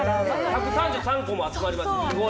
１３３個も集まりました。